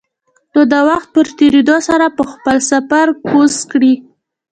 نو د وخت په تېرېدو سره به خپل سپر کوز کړي.